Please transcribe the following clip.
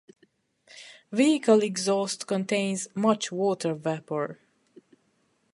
Vehicle exhaust contains much water vapour.